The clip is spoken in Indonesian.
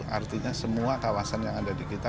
artinya semua kawasan yang ada di kita